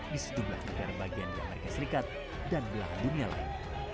di sejumlah negara bagian di amerika serikat dan belahan dunia lain